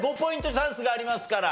チャンスがありますから。